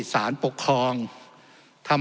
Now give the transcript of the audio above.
จำนวนเนื้อที่ดินทั้งหมด๑๒๒๐๐๐ไร่